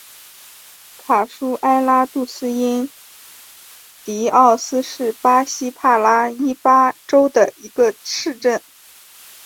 卡舒埃拉杜斯因迪奥斯是巴西帕拉伊巴州的一个市镇。